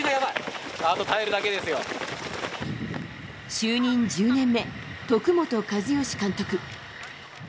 就任１０年目、徳本一善監督。